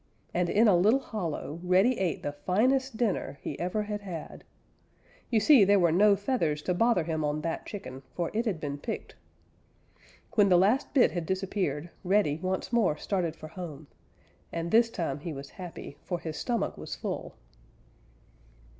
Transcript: And in a little hollow Reddy ate the finest dinner he ever had had. You see there were no feathers to bother him on that chicken, for it had been picked. When the last bit had disappeared, Reddy once more started for home, and this time he was happy, for his stomach was full.